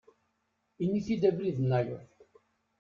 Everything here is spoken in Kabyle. Ini-t-id abrid-nnayeḍ.